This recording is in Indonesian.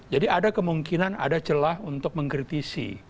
jadi ada kemungkinan ada celah untuk mengkritisi